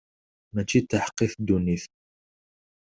Mačči d taḥeqqit ddunit.